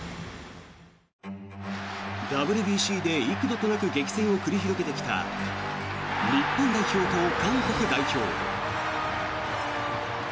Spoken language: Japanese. ＷＢＣで幾度となく激戦を繰り広げてきた日本代表と韓国代表。